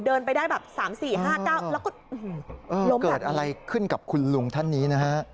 เดินไปได้แบบสามสี่ห้าเก้าแล้วก็อือเกิดอะไรขึ้นกับคุณลุงท่านนี้นะฮะ